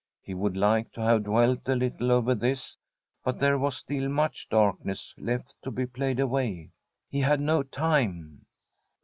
He would like to have dwelt a little over this, but there was still much darkness left to be played away. He had no time.